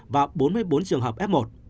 và bốn mươi bốn trường hợp f một